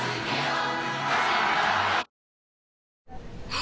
あ！